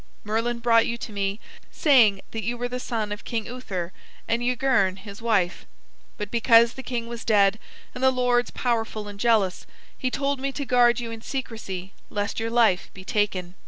Merlin brought you to me, saying that you were the son of King Uther and Yguerne his wife. But because the king was dead and the lords powerful and jealous, he told me to guard you in secrecy lest your life be taken.